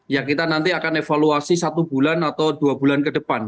ya kita nanti akan evaluasi satu bulan atau dua bulan ke depan